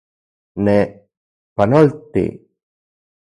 Ne, ¡panolti!